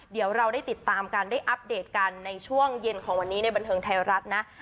เดี๋ยวเราได้ติดตามกันได้อัปเดตกันในช่วงเย็นของวันนี้ในบันเทิงไทยรัฐนะ